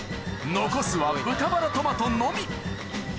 残すは豚バラトマトのみ完食！